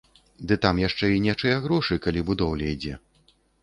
Ды там яшчэ і нечыя грошы, калі будоўля ідзе.